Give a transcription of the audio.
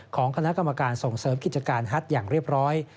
ของคณะกรรมการส่งเสริมกิจการฮัทอย่างเรียบร้อย